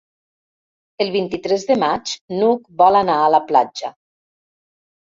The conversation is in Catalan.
El vint-i-tres de maig n'Hug vol anar a la platja.